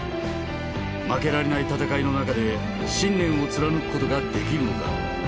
負けられない戦いの中で信念を貫くことができるのか。